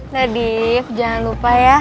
nadif jangan lupa ya